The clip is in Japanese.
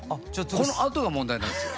このあとが問題なんですよ。